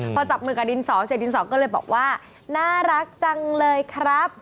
พอจับมือกับดินสอเสร็จดินสอก็เลยบอกว่าน่ารักจังเลยครับ